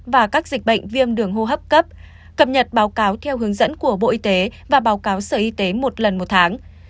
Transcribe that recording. và các dịch bệnh viêm đường hô hấp cấp cập nhật báo cáo theo hướng dẫn của bộ y tế và báo cáo sở y tế một lần một tháng